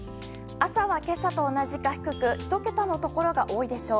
朝は今朝と同じか低く１桁のところが多いでしょう。